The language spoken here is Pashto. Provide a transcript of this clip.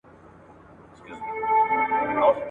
له پردیو پسرلیو خپل بهار ته غزل لیکم `